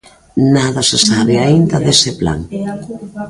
Nada se sabe aínda dese plan.